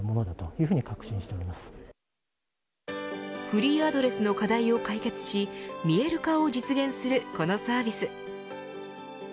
フリーアドレスの課題を解決し見える化を実現するこのサービス。